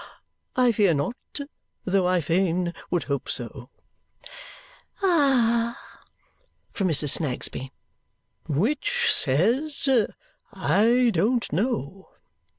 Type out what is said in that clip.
I fear not, though I fain would hope so " "Ah h!" from Mrs. Snagsby. "Which says, 'I don't know.'